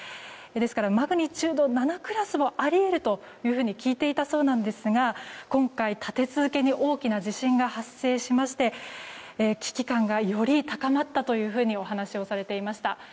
ですからマグニチュード７クラスもあり得ると聞いていたそうですが今回、立て続けに大きな地震が発生しまして危機感がより高まったとお話をされていました。